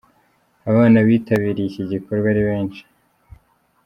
Abana bitabiriye iki gikorwa ari benshi.